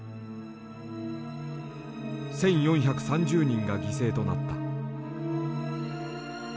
１，４３０人が犠牲となった。